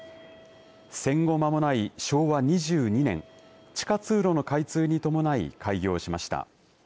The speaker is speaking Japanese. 戦後まもない昭和２２年地下通路の開通に伴い開業しました。